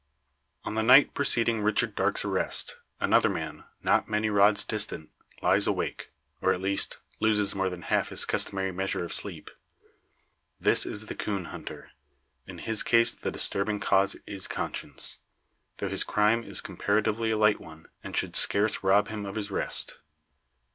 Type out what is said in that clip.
On the night preceding Richard Darke's arrest, another man, not many rods distant, lies awake, or, at least, loses more than half his customary measure of sleep. This is the coon hunter. In his case the disturbing cause is conscience; though his crime is comparatively a light one, and should scarce rob him of his rest.